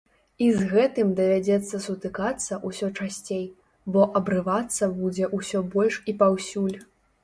І з гэтым давядзецца сутыкацца ўсё часцей, бо абрывацца будзе ўсё больш і паўсюль.